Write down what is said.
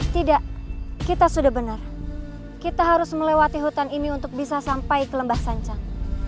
tidak kita sudah benar kita harus melewati hutan ini untuk bisa sampai ke lembah sancang